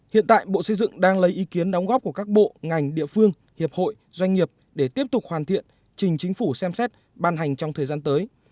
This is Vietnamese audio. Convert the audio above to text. hiện tại bộ xây dựng đang lấy ý kiến đóng góp của các bộ ngành địa phương hiệp hội doanh nghiệp để tiếp tục hoàn thiện trình chính phủ xem xét ban hành trong thời gian tới